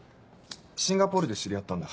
シンガポールで知り合ったんだ